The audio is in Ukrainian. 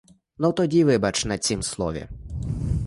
Ну, тоді вибач на цім слові.